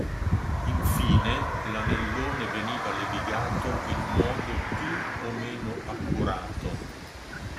Infine l'anellone veniva levigato in modo più o meno accurato.